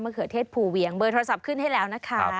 เขือเทศภูเวียงเบอร์โทรศัพท์ขึ้นให้แล้วนะคะ